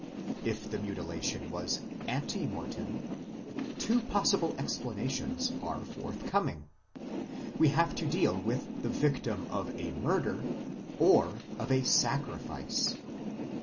... If the mutilation was ante mortem, two possible explanations are forth coming : we have to deal with the victim of a murder, or of a sacrifice.